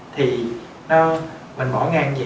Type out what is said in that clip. thì mình bỏ ngang vậy